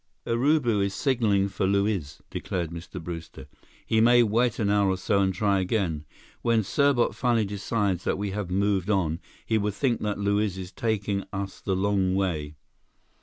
"Urubu is signaling for Luiz," declared Mr. Brewster. "He may wait an hour or so and try again. When Serbot finally decides that we have moved on, he will think that Luiz is taking us the long way.